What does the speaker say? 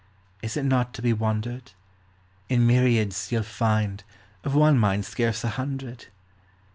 Is it not to be wond'red ? In myriads ye '11 find, of one mind scarce a hun dred